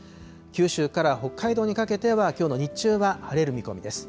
九州から北海道にかけては、きょうの日中は晴れる見込みです。